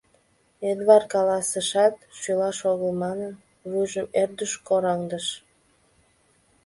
— Эдвард каласышат, шӱлаш огыл манын, вуйжым ӧрдыж кораҥдыш.